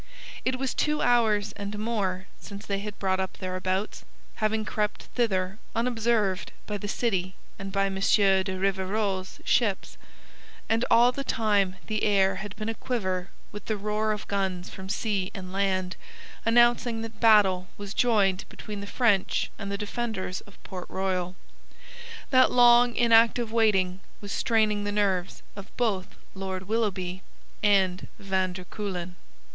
It was two hours and more since they had brought up thereabouts, having crept thither unobserved by the city and by M. de Rivarol's ships, and all the time the air had been aquiver with the roar of guns from sea and land, announcing that battle was joined between the French and the defenders of Port Royal. That long, inactive waiting was straining the nerves of both Lord Willoughby and van der Kuylen.